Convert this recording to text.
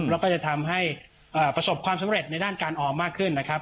แล้วก็จะทำให้ประสบความสำเร็จในด้านการออมมากขึ้นนะครับ